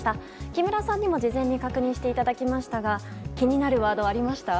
木村さんにも事前に確認していただきましたが気になるワードありました？